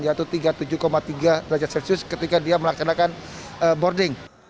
yaitu tiga puluh tujuh tiga derajat celcius ketika dia melaksanakan boarding